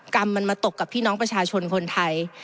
กรรมมันมาตกกับพี่น้องประชาชนคนไทย